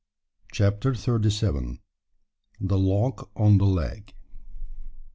CHAPTER THIRTY SEVEN. THE LOG ON THE LEG.